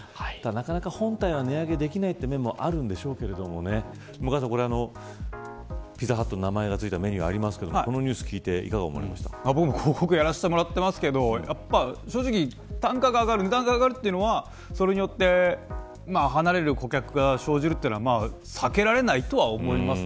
なかなか本体は値上げできないという面もあるでしょうけれどもピザハットの名前がついたメニューありますがど僕も広告やらせてもらってますけど単価が上がる値段が上がるというのはそれによって離れる顧客が生じるというのは避けられないと思います。